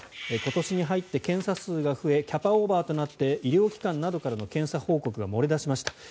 今年に入って検査数が増えキャパオーバーとなって医療機関などからの検査報告が漏れ出しました。